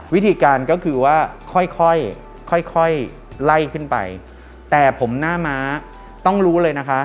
วิธีการก็คือว่าค่อยค่อยไล่ขึ้นไปแต่ผมหน้าม้าต้องรู้เลยนะคะ